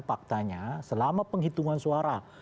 faktanya selama penghitungan suara